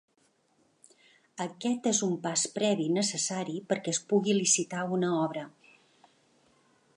Aquest és un pas previ necessari perquè es pugui licitar una obra.